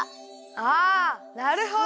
あなるほど！